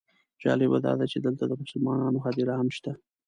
جالبه داده چې دلته د مسلمانانو هدیره هم شته.